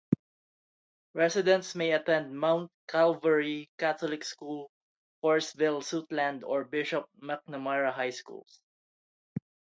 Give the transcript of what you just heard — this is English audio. Residents may attend Mount Calvary Catholic School, Forestville, Suitland, or Bishop McNamara High Schools.